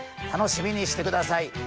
楽しみにしてください。